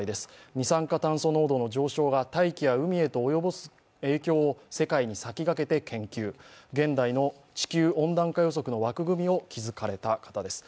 二酸化炭素濃度の上昇が大気や海へと及ぼす影響を世界に先駆けて研究、現代の地球温暖化予測の枠組みを築かれた方です。